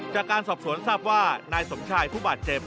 จากการสอบสวนทราบว่านายสมชายผู้บาดเจ็บ